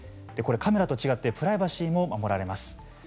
これカメラと違ってプライバシーも守られます。